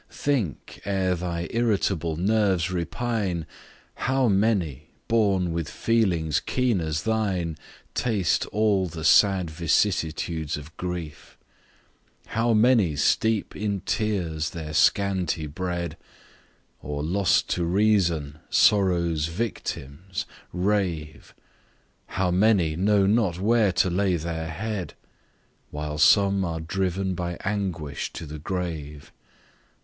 Think, ere thy irritable nerves repine, How many, born with feelings keen as thine, Taste all the sad vicissitudes of grief; How many steep in tears their scanty bread; Or, lost to reason, Sorrow's victims! rave: How many know not where to lay their head; While some are driven by anguish to the grave!